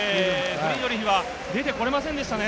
フリードリヒは出て来れませんでしたね。